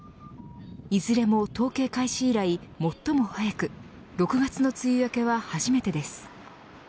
いずれも統計開始以来、最も早く６月の梅雨明けは初めてです